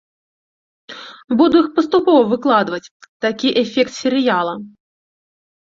Буду іх паступова выкладваць, такі эфект серыяла.